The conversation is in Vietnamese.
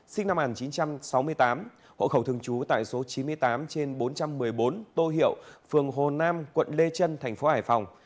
sinh năm một nghìn chín trăm sáu mươi tám hộ khẩu thường trú tại số chín mươi tám trên bốn trăm một mươi bốn tô hiệu phường hồ nam quận lê trân thành phố hải phòng